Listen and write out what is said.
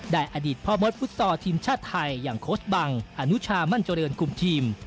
อดีตพ่อมดฟุตซอลทีมชาติไทยอย่างโค้ชบังอนุชามั่นเจริญกลุ่มทีม